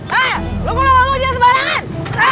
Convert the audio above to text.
he lo kok lama ngomong dia sebarangan